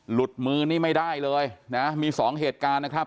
หลุดมือนี่ไม่ได้เลยนะมีสองเหตุการณ์นะครับ